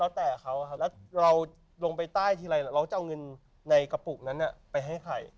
เราแต่เขาครับแล้วเราลงไปใต้ทีไรละเราจะเอาเงินในกระปุกนั้นอ่ะไปให้ไข่